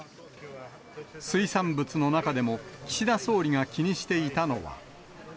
水産物の中でも、岸田総理が気にしていたのは。